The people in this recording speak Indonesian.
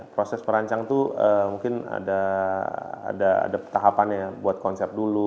proses perancang itu mungkin ada tahapannya buat konsep dulu